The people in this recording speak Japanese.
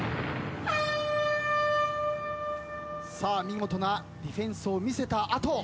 見事なディフェンスを見せた後。